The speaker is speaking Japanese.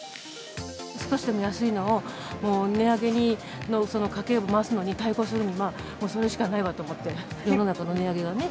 少しでも安いものを値上げの、家計簿回すのに対抗するには、それしかないわと思って。